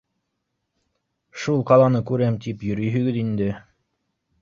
Шул ҡаланы күрәм тип йөрөйһөгөҙ инде.